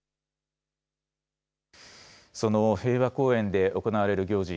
その平和公園で行われる行事、